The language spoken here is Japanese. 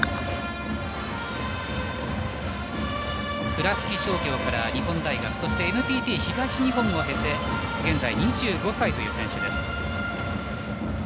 倉敷商業から日本大学ＮＴＴ東日本を経て現在２５歳という選手です。